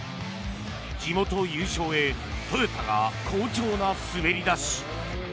地元優勝へトヨタが好調な滑り出し。